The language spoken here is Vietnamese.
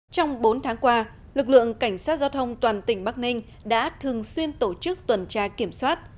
trong bốn tháng qua lực lượng cảnh sát giao thông toàn tỉnh bắc ninh đã thường xuyên tổ chức tuần tra kiểm soát